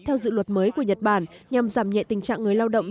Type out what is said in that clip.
theo dự luật mới của nhật bản nhằm giảm nhẹ tình trạng người lao động